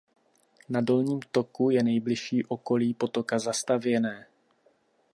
Na dolním toku je nejbližší okolí potoka zastavěné.